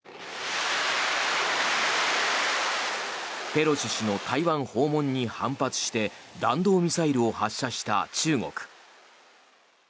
ペロシ氏の台湾訪問に反発して弾道ミサイルを発射した中国。